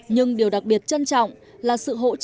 nhưng điều đặc biệt trân trọng là sự hỗ trợ